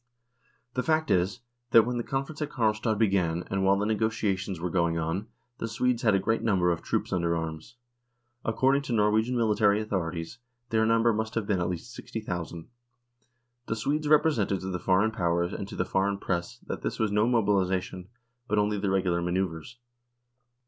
The fact is, that when the conference at Karlstad began, and while the negotia tions were going on, the Swedes had a great number of troops under arms. According to Norwegian military authorities their number must have been at least 60,000. The Swedes represented to the Foreign Powers and to the Foreign Press that this was no mobilisation, but only the regular manoeuvres.